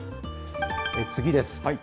次です。